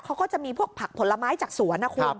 เขาก็จะมีพวกผักผลไม้จากสวนนะคุณ